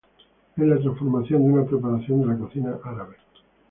Es la transformación de una preparación de la cocina árabe.